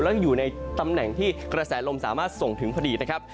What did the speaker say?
และยังอยู่ในตำแหน่งที่กระแสลมสามารถส่งถึงพอดีนะครับ